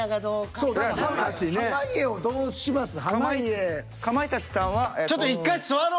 かまいたちさんは。